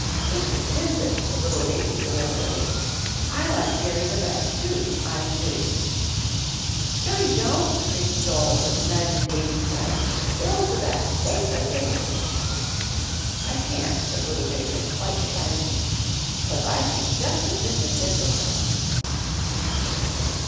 "Mr. Tisbett," said little Davie, deliberately, "I like Jerry the best, too. I do." "No, you don't," screamed Joel, with a nudge in Davie's side, "Bill's the best. Say so, Dave." "I can't," said little David, quite decidedly, "'cause I think just as Mr. Tisbett does."